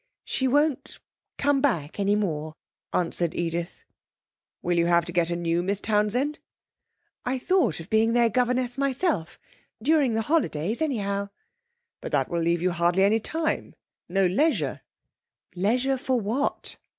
'She won't come back any more,' answered Edith. 'Will you have to get a new Miss Townsend?' 'I thought of being their governess myself during the holidays, anyhow.' 'But that will leave you hardly any time no leisure.' 'Leisure for what?'